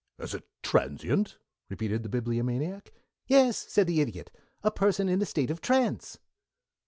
"As a transient?" repeated the Bibliomaniac. "Yes," said the Idiot. "A person in a state of trance."